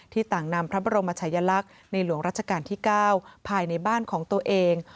ต่างนำพระบรมชายลักษณ์ในหลวงราชการที่๙ภายในบ้านของตัวเอง